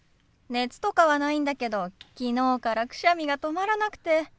熱とかはないんだけど昨日からくしゃみが止まらなくて。